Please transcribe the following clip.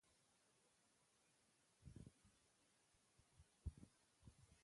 تودوخه د افغانستان د اقلیمي نظام یوه ښکاره ښکارندوی ده.